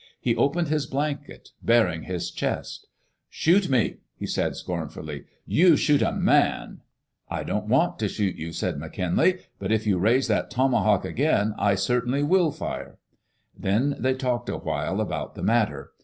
He opened his blanket, baring his chest. "Shoot mel'* he said scornfully. "You shoot a man/" " I don't want to shoot you," said McKinlay. " But if you raise that tomahawk again, I certainly will fire." Then they talked a while about the matter.